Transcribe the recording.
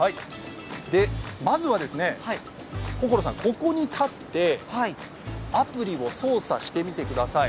まずは心さん、ここに立ってアプリを操作してみてください。